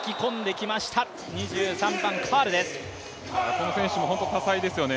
この選手も本当に多彩ですよね。